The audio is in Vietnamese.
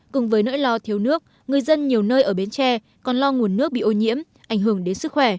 cùng với nỗi lo thiếu nước người dân nhiều nơi ở bến tre còn lo nguồn nước bị ô nhiễm ảnh hưởng đến sức khỏe